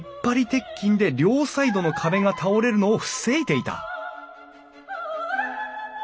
鉄筋で両サイドの壁が倒れるのを防いでいた！